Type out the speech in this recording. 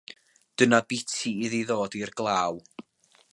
Dyna biti iddi ddod i'r glaw.